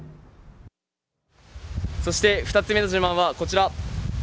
そして２つ目の自慢はこちら！